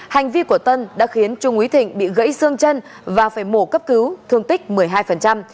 hành vi của tân đã khiến trung úy thịnh bị gãy xương chân và phải mổ cấp cứu thương tích một mươi hai